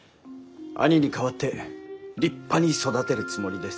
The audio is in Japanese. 兄に代わって立派に育てるつもりです。